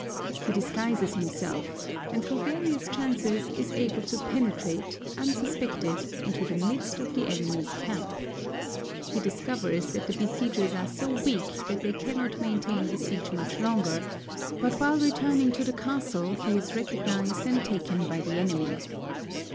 He disguises himself, and through various chances is able to penetrate, unsuspected, into the midst of the enemy's camp. He discovers that the besiegers are so weak that they cannot maintain the siege much longer, but while returning to the castle he is recognized and taken by the enemy.